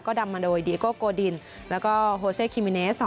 นำมาโดยดีโกโกดินแล้วก็โฮเซคิมิเนส